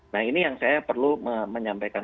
nah ini yang saya perlu menyampaikan